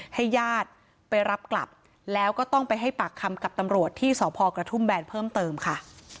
ให้ญาติไปรับกลับแล้วก็ต้องไปให้ปากคำกับตำรวจที่สพกระทุ่มแบนเพิ่มเติมค่ะ